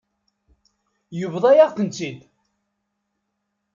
Yebḍa-yaɣ-ten-id.